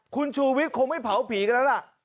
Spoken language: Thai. คุณชูวิทย์คงไม่เผาผีกันแล้วล่ะ